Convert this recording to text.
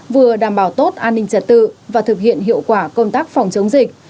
vừa đảm bảo tốt an ninh trật tự và thực hiện hiệu quả công tác phòng chống dịch